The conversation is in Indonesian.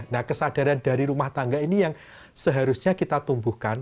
nah kesadaran dari rumah tangga ini yang seharusnya kita tumbuhkan